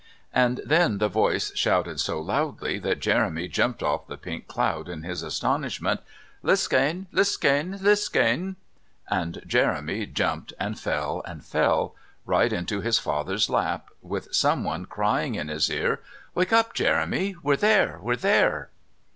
And then the voice shouted so loudly that Jeremy jumped off the pink cloud in his astonishment: "Liskane! Liskane! Liskane!" and Jeremy jumped and fell and fell right into his father's lap, with someone crying in his ear: "Wake up, Jeremy! We're there! We're there!"